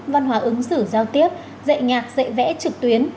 văn hóa ứng xử giao tiếp dạy nhạc dạy vẽ trực tuyến